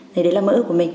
thì đấy là mơ ước của mình